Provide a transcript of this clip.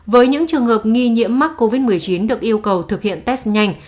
với những trường hợp nghi nhiễm covid một mươi chín được yêu cầu thực hiện test nhanh